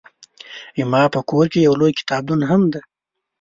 زما په کور کې يو لوی کتابتون هم دی